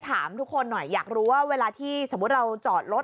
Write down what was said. ถามทุกคนหน่อยอยากรู้ว่าเวลาที่สมมุติเราจอดรถ